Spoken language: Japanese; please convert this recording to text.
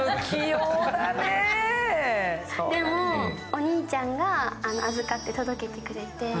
お兄ちゃんが預かって届けてくれて。